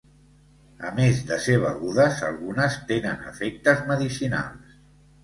A més de ser begudes algunes tenen efectes medicinals.